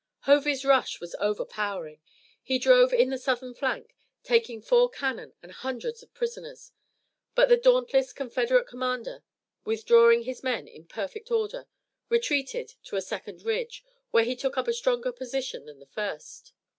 Hovey's rush was overpowering. He drove in the Southern flank, taking four cannon and hundreds of prisoners, but the dauntless Confederate commander, withdrawing his men in perfect order, retreated to a second ridge, where he took up a stronger position than the first.